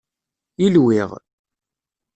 Ilwiɣ.